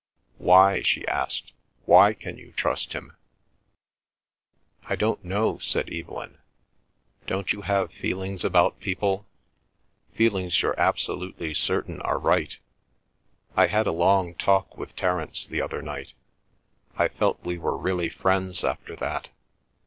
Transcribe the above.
"Why?" she asked. "Why can you trust him?" "I don't know," said Evelyn. "Don't you have feelings about people? Feelings you're absolutely certain are right? I had a long talk with Terence the other night. I felt we were really friends after that.